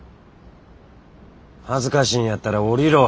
恥ずかしいんやったら降りろ。